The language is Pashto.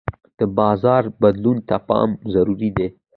د بازار بدلون ته پام ضروري دی.